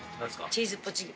チーズポチギ。